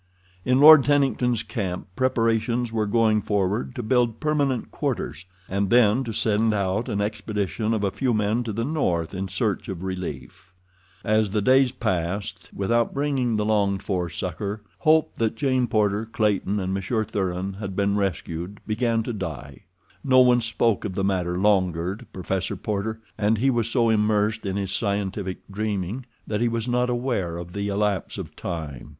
In Lord Tennington's camp preparations were going forward to build permanent quarters, and then to send out an expedition of a few men to the north in search of relief. As the days had passed without bringing the longed for succor, hope that Jane Porter, Clayton, and Monsieur Thuran had been rescued began to die. No one spoke of the matter longer to Professor Porter, and he was so immersed in his scientific dreaming that he was not aware of the elapse of time.